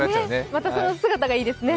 またその姿がいいですね。